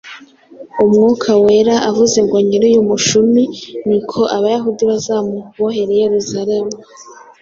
Umwuka Wera avuze ngo ‘Nyir’uyu mushumi ni ko Abayuda bazamubohera i Yerusalemu,